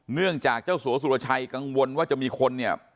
เนื่องจากเจ้าสัวสุรชัยกังวลว่าจะมีคนเนี่ย